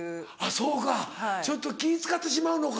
そうかちょっと気使ってしまうのか。